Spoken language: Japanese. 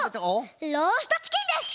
ローストチキンです！